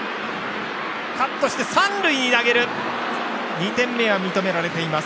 ２点目は認められています。